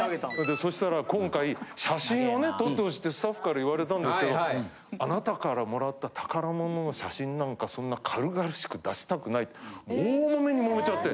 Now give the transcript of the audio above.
そしたら今回写真をね撮ってほしいってスタッフから言われたんですけどあなたから貰った宝物の写真なんかそんな軽々しく出したくないって大モメにモメちゃって。